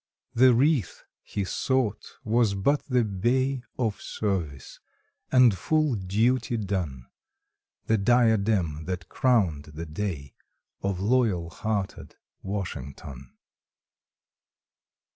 The wreath he sought was but the bay Of Service, and full Duty Done, The diadem that crowned the day Of loyal hearted Washington.